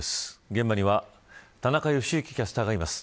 現場には田中良幸キャスターがいます。